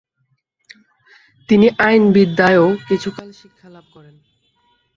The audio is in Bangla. তিনি আইনবিদ্যায়ও কিছুকাল শিক্ষালাভ করেন।